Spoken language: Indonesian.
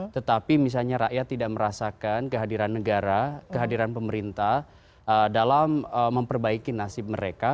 tetapi misalnya rakyat tidak merasakan kehadiran negara kehadiran pemerintah dalam memperbaiki nasib mereka